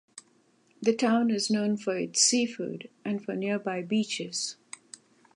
The town is known for its seafood and for nearby beaches.